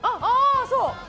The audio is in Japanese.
そう！